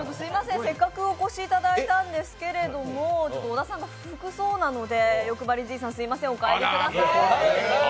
せっかくお越しいただいたんですけれど、小田さんが不服そうなので欲張りじいさん、すみませんお帰りください